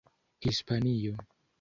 Hispanio